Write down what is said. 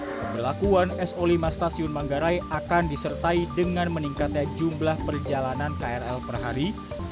pembelakuan so lima stasiun manggarai akan disertai dengan meningkatnya jumlah perjalanan krl per hari